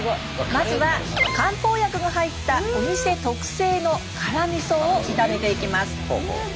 まずは漢方薬が入ったお店特製の辛みそを炒めていきます。